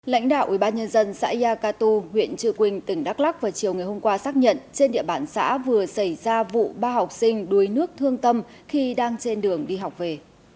lãnh đạo ubnd xã yacatu huyện trư quynh tỉnh đắk lắc vào chiều ngày hôm qua xác nhận trên địa bàn xã vừa xảy ra vụ ba học sinh đuối nước thương tâm khi đang trên đường đi học về